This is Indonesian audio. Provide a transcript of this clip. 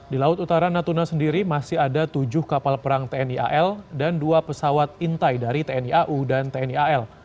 di laut utara natuna sendiri masih ada tujuh kapal perang tni al dan dua pesawat intai dari tni au dan tni al